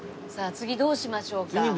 次どうしましょうかね。